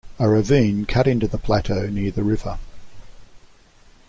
A ravine cut into the plateau near the river.